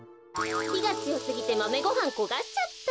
ひがつよすぎてマメごはんこがしちゃった。